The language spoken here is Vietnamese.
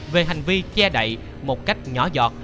về hành vi che đậy một cách nhỏ dọt